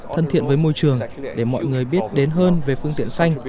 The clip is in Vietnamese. thân thiện với môi trường để mọi người biết đến hơn về phương tiện xanh